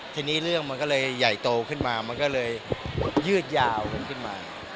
ทีนี้เรื่องมันก็เลยใหญ่โตขึ้นมามันก็เลยยืดยาวกันขึ้นมา